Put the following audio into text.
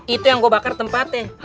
itu yang gue bakar tempatnya